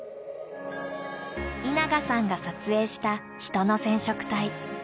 稲賀さんが撮影したヒトの染色体。